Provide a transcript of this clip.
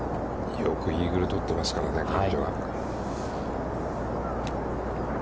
よくイーグルを取っていますからね、彼女は。